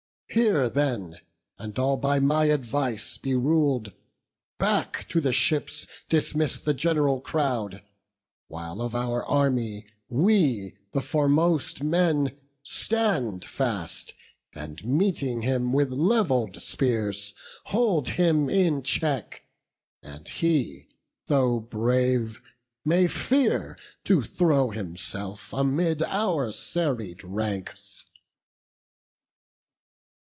Hear, then, and all by my advice be rul'd: Back to the ships dismiss the gen'ral crowd; While of our army we, the foremost men, Stand fast, and meeting him with levell'd spears, Hold him in check; and he, though brave, may fear To throw himself amid our serried ranks."